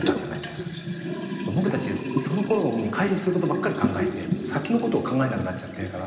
僕たちそのころに乖離することばっかり考えて先のことを考えなくなっちゃってるから。